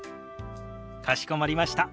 かしこまりました。